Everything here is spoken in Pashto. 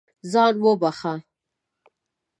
ځان وبښه.